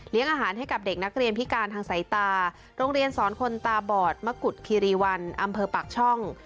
อาหารให้กับเด็กนักเรียนพิการทางสายตาโรงเรียนสอนคนตาบอดมะกุฎคิรีวันอำเภอปากช่อง